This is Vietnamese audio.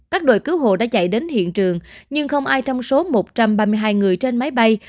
các đội cứu hộ đã chạy đến hiện trường nhưng không ai trong số một trăm ba mươi hai người trên máy bay